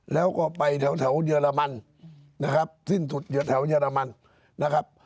แล้วก็ไปแถวเยอรมันนะครับสิ้นสุดอยู่แถวเยอรมันนะครับ